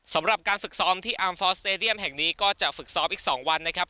สำหรับการฝึกซ้อมที่อาร์มฟอสเตดียมแห่งนี้ก็จะฝึกซ้อมอีก๒วันนะครับ